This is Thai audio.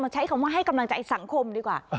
ใช้คำว่าให้กำลังใจสังคมดีกว่า